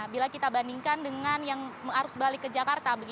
bila kita bandingkan dengan yang harus balik ke jakarta